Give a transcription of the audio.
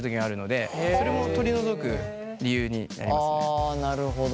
あなるほど。